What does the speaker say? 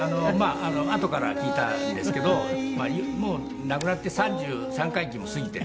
あとから聞いたんですけど亡くなって３３回忌も過ぎていて。